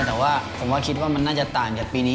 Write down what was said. แต่ว่าผมว่าคิดว่ามันน่าจะต่างจากปีนี้